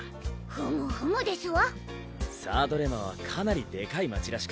ふむふむですわ。